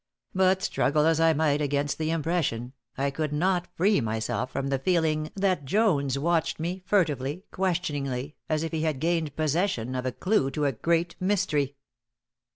But, struggle as I might against the impression, I could not free myself from the feeling that Jones watched me furtively, questioningly, as if he had gained possession of a clue to a great mystery.